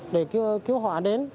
để cứu họ